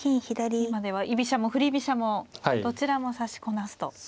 今では居飛車も振り飛車もどちらも指しこなすと。